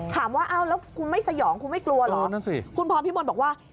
ถามว่าอ้าวแล้วคุณไม่สยองคุณไม่กลัวเหรอนั่นสิคุณพรพิมลบอกว่า